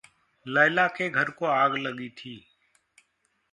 लैला के घर को आग लगी थी।